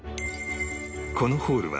このホールは